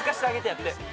やって。